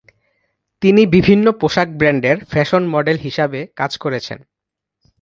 তিনি বিভিন্ন পোশাক ব্র্যান্ডের ফ্যাশন মডেল হিসাবে কাজ করেছেন।